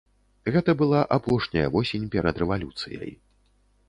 Гэта была апошняя восень перад рэвалюцыяй.